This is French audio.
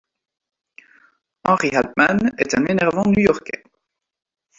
Henry Althmann est un énervant New-Yorkais.